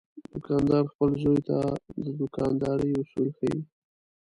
دوکاندار خپل زوی ته د دوکاندارۍ اصول ښيي.